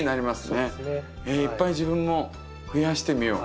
いっぱい自分も増やしてみよう。